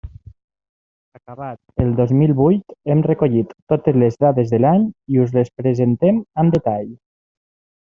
Acabat el dos mil vuit hem recollit totes les dades de l'any i us les presentem amb detall.